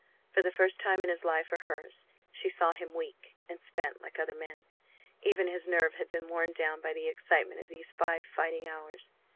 For the first time in his life or hers she saw him weak and spent like other men. Even his nerve had been worn down by the excitement of these five fighting hours.